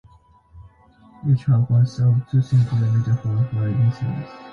Each half consists of two simple emitter followers wired in series.